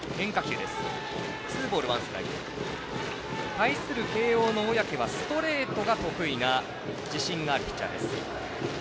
対する慶応の小宅はストレートが得意自信のあるピッチャーです。